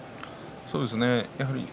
そうですね。